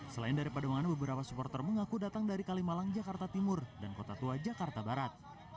selain dari pademangan beberapa supporter mengaku datang dari kalimalang jakarta timur dan kota tua jakarta barat